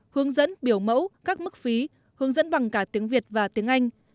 hướng dẫn biểu mẫu các mức phí hướng dẫn bằng cả tiếng việt và tiếng anh